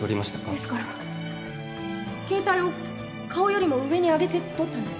ですから携帯を顔よりも上に上げて撮ったんです